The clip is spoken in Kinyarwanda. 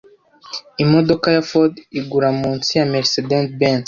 Imodoka ya Ford igura munsi ya Mercedes Benz. .